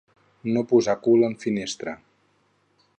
No posar cul en finestra.